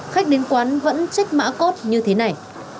khách đến quán vẫn trích mã cốt như thế này